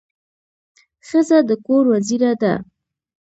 ښځه د کور وزیره ده.